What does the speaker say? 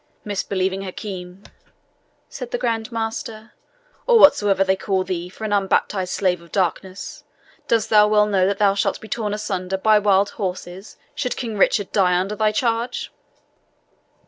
"Misbelieving Hakim," said the Grand Master, "or whatsoever they call thee for an unbaptized slave of darkness, dost thou well know that thou shalt be torn asunder by wild horses should King Richard die under thy charge?"